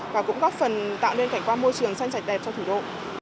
và cũng góp phần tạo nên cảnh quan môi trường xanh sạch đẹp cho thủ đô